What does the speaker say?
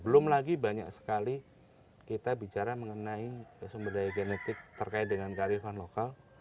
belum lagi banyak sekali kita bicara mengenai sumber daya genetik terkait dengan kearifan lokal